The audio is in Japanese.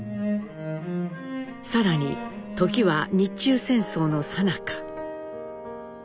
更に時は日中戦争のさなか。